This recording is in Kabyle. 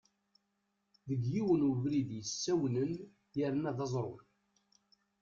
Deg yiwen webrid yessawnen yerna d aẓru.